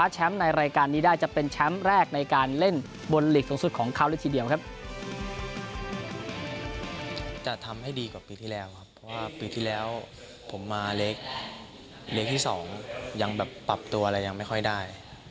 เลยทีเดียวครับจะทำให้ดีกว่าปีที่แล้วครับเพราะว่าปีที่แล้วผมมาเล็กที่๒ยังแบบปรับตัวอะไรยังไม่ค่อยได้